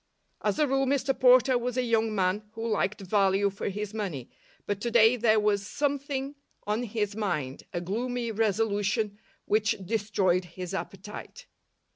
As a rule, Mr Porter was a young man who liked value for his money, but to day there was something on his mind, a gloomy resolution which destroyed his appetite.